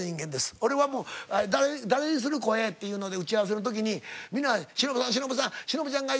俺はもう「誰にする？声」っていうので打ち合わせの時にみんな「しのぶさん」「しのぶさん」「しのぶちゃんがいい」